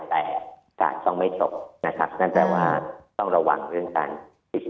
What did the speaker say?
แต่อาจารย์ต้องไม่จบนะครับนั่นแปลว่าต้องระวังเรื่องจันทร์อีก